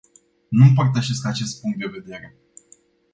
Nu împărtășesc acest punct de vedere.